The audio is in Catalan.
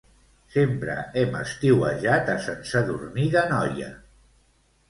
Sempre hem estiuejat a Sant Sadurní d'Anoia.